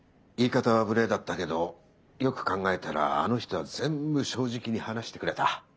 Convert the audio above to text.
言い方は無礼だったけどよく考えたらあの人は全部正直に話してくれた。